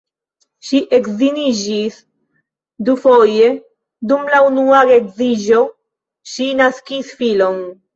Ŝi edziniĝis dufoje, dum la unua geedziĝo ŝi naskis filon.